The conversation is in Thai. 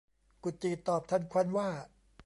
กุดจี่ตอบทันควันว่า